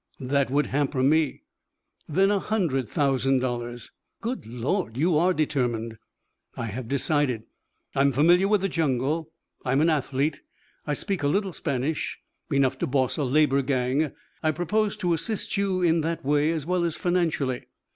"That would hamper me." "Then a hundred thousand dollars." "Good Lord. You are determined." "I have decided. I am familiar with the jungle. I am an athlete. I speak a little Spanish enough to boss a labour gang. I propose to assist you in that way, as well as financially.